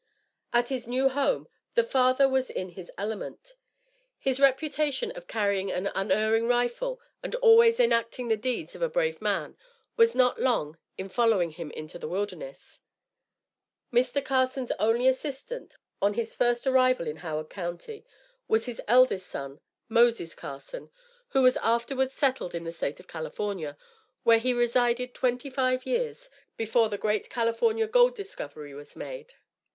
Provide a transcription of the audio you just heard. At his new home, the father was in his element. His reputation of carrying an unerring rifle and always enacting the deeds of a brave man, was not long in following him into this wilderness. Mr. Carson's only assistant, on his first arrival in Howard County, was his eldest son, Moses Carson, who was afterwards settled in the State of California, where he resided twenty five years before the great California gold discovery was made.